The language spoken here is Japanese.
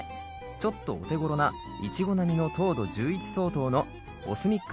ちょっとお手頃なイチゴ並みの糖度１１相当のＯＳＭＩＣ